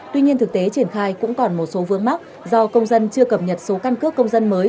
tuy nhiên thực tế triển khai cũng còn một số vướng mắc do công dân chưa cập nhật số căn cước công dân mới